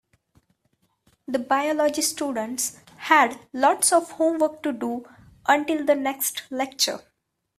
The biology students had lots of homework to do until the next lecture.